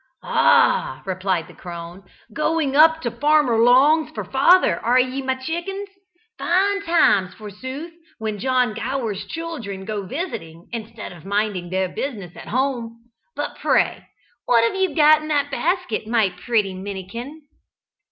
"Ah!" replied the crone; "going up to Farmer Long's for father, are ye, my chickens? Fine times, forsooth, when John Gower's children go visiting instead of minding their business at home. But pray, what have you got in that basket, my pretty Minnikin?"